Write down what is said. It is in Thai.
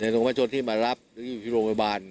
ในส่วนที่มารับหรืออยู่ที่โรงพยาบาล